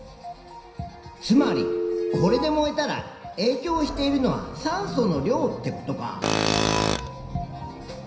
つまりこれで燃えたらえいきょうしているのは酸素の量ってことか。